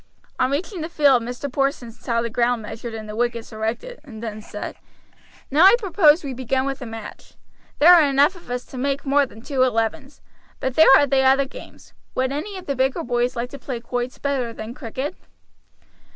On reaching the field Mr. Porson saw the ground measured and the wickets erected, and then said: "Now I propose we begin with a match. There are enough of us to make more than two elevens; but there are the other games. Would any of the bigger boys like to play quoits better than cricket?"